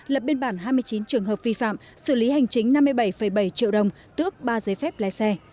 lập biên bản hai mươi chín trường hợp vi phạm xử lý hành chính năm mươi bảy bảy triệu đồng tước ba giấy phép lái xe